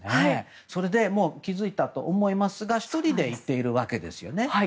それで気付いたと思いますが１人で行っているわけですね。